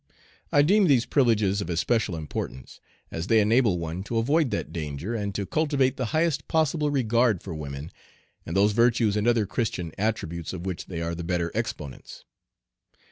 I deem these privileges of especial importance, as they enable one to avoid that danger and to cultivate the highest possible regard for women, and those virtues and other Christian attributes of which they are the better exponents.